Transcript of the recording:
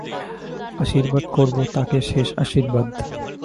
আশীর্বাদ করব তাকে–শেষ আর্শীবাদ।